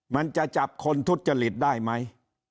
มันจะจับคนทุจริตได้ไหม